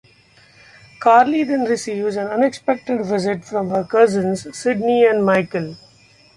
Carly then receives an unexpected visit from her cousins Sydney and Michael.